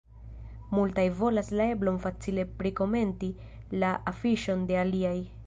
Multaj volas la eblon facile prikomenti la afiŝon de aliaj.